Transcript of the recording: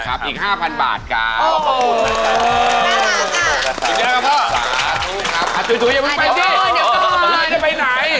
จุ๊ยจุ๊ยอย่าเพิ่งไปดิ